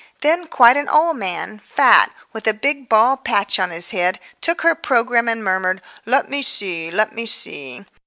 Then quite an old man—fat, with a big bald patch on his head—took her programme and murmured, "Let me see, let me see!"